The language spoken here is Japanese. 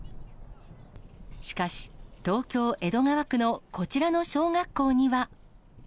しかし、東京・江戸川区のこちらの小学校には。